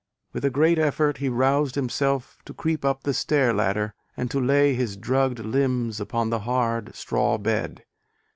With a great effort he roused himself to creep up the stair ladder, and to lay his drugged limbs upon the hard straw bed.